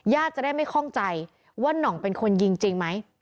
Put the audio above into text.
จะได้ไม่คล่องใจว่าน่องเป็นคนยิงจริงไหม